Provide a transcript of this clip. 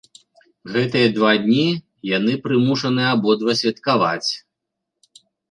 Гэтыя два дні яны прымушаны абодва святкаваць.